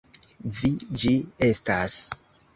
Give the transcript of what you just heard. Vi ĝi estas!